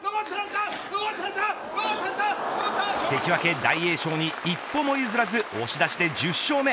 関脇、大栄翔に一歩も譲らず押し出しで１０勝目。